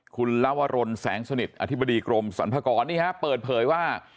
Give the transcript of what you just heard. คุณลวรนแสงสนิทอธิบดีกรมสรรพากรนี่ฮะเปิดเผยว่า